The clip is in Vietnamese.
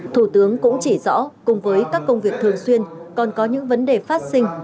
thủ tướng cũng chỉ rõ cùng với các công việc thường xuyên còn có những vấn đề phát sinh